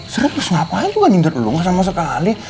serius ngapain tuh nyindir lo nggak sama sekali